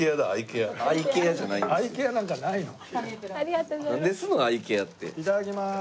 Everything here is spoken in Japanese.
いただきます。